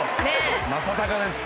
正尚です。